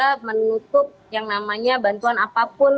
jadi kita menutup yang namanya bantuan apapun